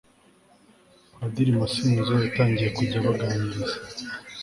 padiri masinzo yatangiye kujya abaganiriza